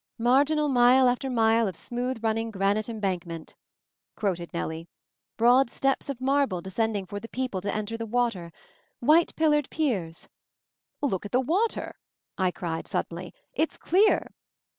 " 'Marginal mile after mile of smooth running granite embankment/ " quoted Nellie. " 'Broad steps of marble descending MOVING THE MOUNTAIN 61 for the people to enter the water. White pillared piers " "Look at the water!" I cried, suddenly. "It's clear